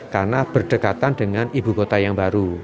karena berdekatan dengan ibu kota yang baru